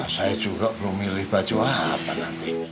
saya juga belum milih baju apa nanti